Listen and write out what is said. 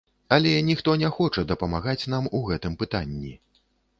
Але ніхто не хоча дапамагаць нам у гэтым пытанні.